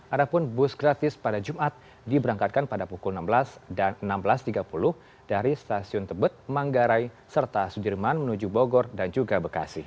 ada pun bus gratis pada jumat diberangkatkan pada pukul enam belas dan enam belas tiga puluh dari stasiun tebet manggarai serta sudirman menuju bogor dan juga bekasi